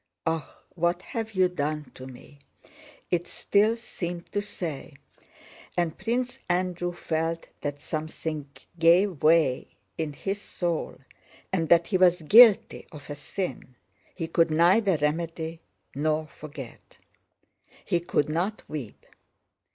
"Ah, what have you done to me?" it still seemed to say, and Prince Andrew felt that something gave way in his soul and that he was guilty of a sin he could neither remedy nor forget. He could not weep.